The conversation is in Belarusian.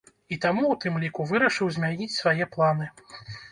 І таму, у тым ліку, вырашыў змяніць свае планы.